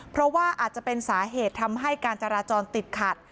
เพราะว่าอาจจะเป็นสาเหตุทำให้การจราจรติดขัด